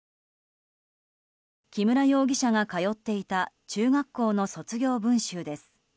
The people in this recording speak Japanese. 木村容疑者が通っていた中学校の卒業文集です。